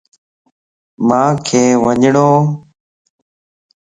مانک وڃڻوَ